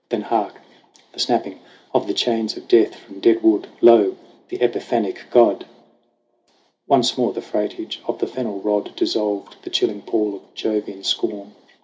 Then, hark ! the snapping of the chains of Death ! From dead wood, lo ! the epiphanic god ! Once more the freightage of the fennel rod Dissolved the chilling pall of Jovian scorn.